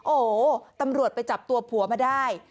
โอ้โหตำรวจไปจับตัวผัวมาได้